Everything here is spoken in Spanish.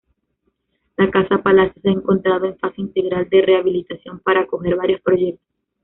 La Casa-Palacio se ha encontrado en fase integral de rehabilitación para acoger varios proyectos.